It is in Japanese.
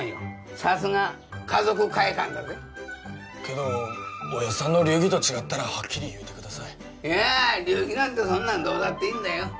さすが華族会館だぜけどおやっさんの流儀と違ったらはっきり言うてください流儀なんてそんなんどうだっていいんだよ